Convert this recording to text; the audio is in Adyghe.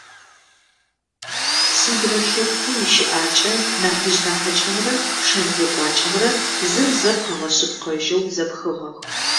Сыдрэ лъэпкъи ищыӏакӏэ нахьыжъ-нахьыкӏэмрэ шэн-зекӏуакӏэмрэ зым зыр къыгъэшъыпкъэжьэу зэпхыгъэх.